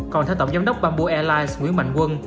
còn theo tổng giám đốc bamboo airlines nguyễn mạnh quân